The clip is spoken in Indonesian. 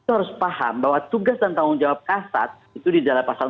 harus paham bahwa tugas dan tanggung jawab kasar itu di dalam asal enam belas